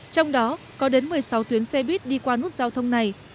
trong đó có đến một mươi sáu tuyến xe buýt đi qua nút giao thông này